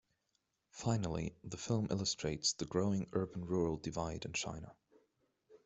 Finally, the film illustrates the growing urban-rural divide in China.